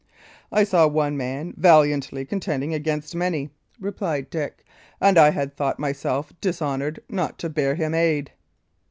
"I saw one man valiantly contending against many," replied Dick, "and I had thought myself dishonoured not to bear him aid."